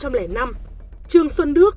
tháng một năm hai nghìn năm trương xuân đức